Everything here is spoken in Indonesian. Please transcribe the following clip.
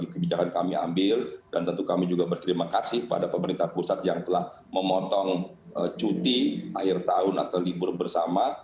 kebijakan kami ambil dan tentu kami juga berterima kasih pada pemerintah pusat yang telah memotong cuti akhir tahun atau libur bersama